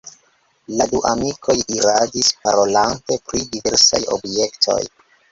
La du amikoj iradis, parolante pri diversaj objektoj.